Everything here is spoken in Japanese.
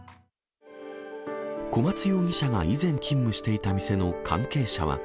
小松容疑者が以前勤務していた店の関係者は。